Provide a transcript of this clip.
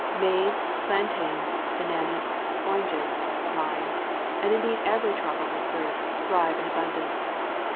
Maize, plantains, bananas, oranges, limes, and indeed every tropical fruit, thrive in abundance.